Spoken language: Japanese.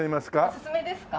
おすすめですか？